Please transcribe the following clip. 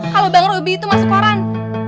kalau bang ruby itu masuk koran